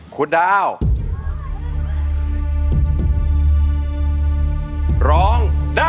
คุณดาวร้อง